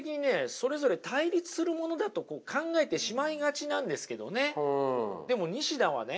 それぞれ対立するものだと考えてしまいがちなんですけどねでも西田はね